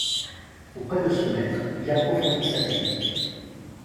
Auprès de ce maître, il approfondit sa technique.